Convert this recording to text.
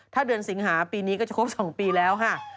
ถ้าเดือนสิงหาปีนี้ก็จะครบ๒ปีแล้วค่ะ